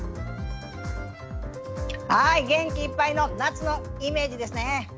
はい元気いっぱいの夏のイメージですね。